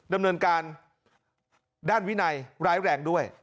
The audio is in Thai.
ดำเนินการด้านวินัยร้ายแรงด้วย